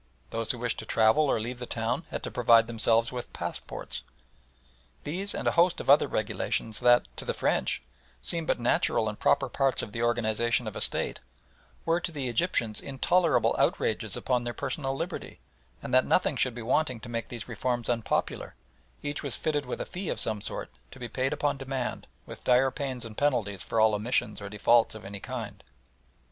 Those who wished to travel or leave the town had to provide themselves with passports. These and a host of other regulations that, to the French, seemed but natural and proper parts of the organisation of a State, were to the Egyptians intolerable outrages upon their personal liberty, and that nothing should be wanting to make these reforms unpopular, each was fitted with a fee of some sort, to be paid upon demand, with dire pains and penalties for all omissions or defaults of any kind.